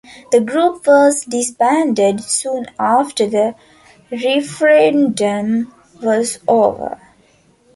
The group was disbanded soon after the referendum was over.